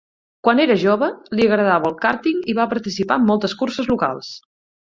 Quan era jove, li agradava el kàrting i va participar en moltes curses locals.